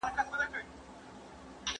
نن ورځ مهمه ده.